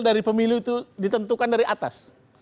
dari pemilu itu ditentukan dari atas